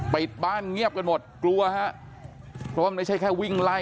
ปิดบ้านเงียบกันหมดกลัวฮะเพราะว่ามันไม่ใช่แค่วิ่งไล่